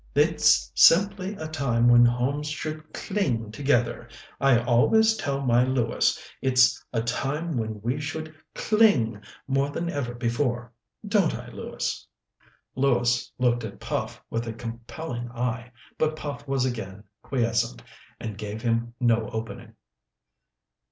It's simply a time when homes should cling together. I always tell my Lewis it's a time when we should cling more than ever before don't I, Lewis?" Lewis looked at Puff with a compelling eye, but Puff was again quiescent, and gave him no opening.